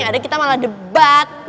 ada kita malah debat